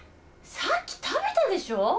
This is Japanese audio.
さっき食べたでしょ！